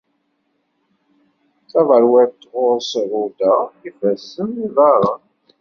Taberwiḍt ɣur-s rruda, ifassen d yiḍaren